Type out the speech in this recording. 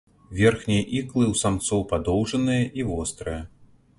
Верхнія іклы ў самцоў падоўжаныя і вострыя.